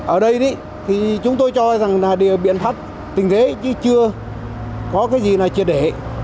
ở đây thì chúng tôi cho rằng là biện pháp tình thế chứ chưa có cái gì là triệt để